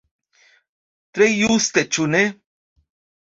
Tre juste, ĉu ne?